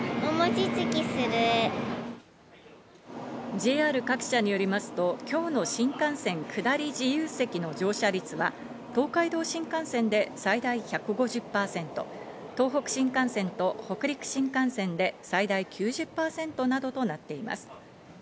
ＪＲ各社によりますと今日の新幹線下り自由席の乗車率は東海道新幹線で最大１５０％、東北新幹線と北陸新幹線で最大９０％などとなっています。